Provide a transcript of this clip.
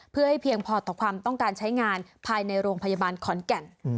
เพื่อให้เพียงพอต่อความต้องการใช้งานภายในโรงพยาบาลขอนแก่น